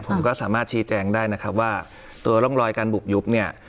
ผมก็สามารถชี้แจงได้นะครับว่าตัวร่องรอยการบุกยุบเนี่ย